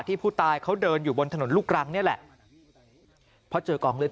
ผู้ตายเขาเดินอยู่บนถนนลูกรังนี่แหละเพราะเจอกองเลือด